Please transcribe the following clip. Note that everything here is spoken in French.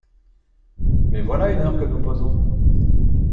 Mais voilà une heure que nous posons !